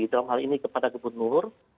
dalam hal ini kepada gubernur